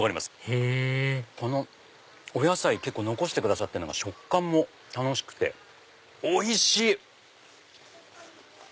へぇこのお野菜結構残してくださってるのが食感も楽しくておいしい！